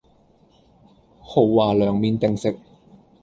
豪華涼麵定食